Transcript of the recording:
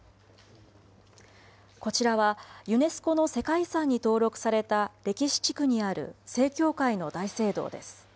こちらは、ユネスコの世界遺産に登録された歴史地区にある正教会の大聖堂です。